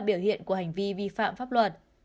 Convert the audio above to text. biểu hiện của hành vi vi phạm pháp luật